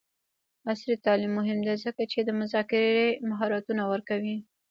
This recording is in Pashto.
عصري تعلیم مهم دی ځکه چې د مذاکرې مهارتونه ورکوي.